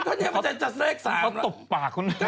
ก็๒๘แล้วหละคะ